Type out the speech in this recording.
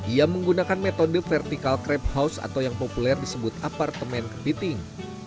ia menggunakan metode vertikal crab house atau yang populer disebut apartemen kepiting